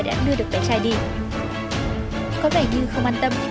có vẻ như cô gái vẫn không hề quan tâm